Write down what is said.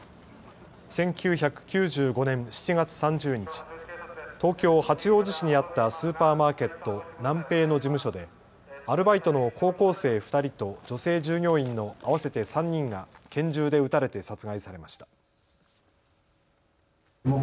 １９９５年７月３０日、東京八王子市にあったスーパーマーケット、ナンペイの事務所でアルバイトの高校生２人と女性従業員の合わせて３人が拳銃で撃たれて殺害されました。